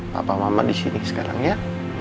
papa mama disini sekarang ya